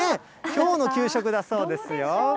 きょうの給食だそうですよ。